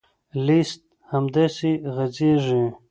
لیست همداسې غځېږي.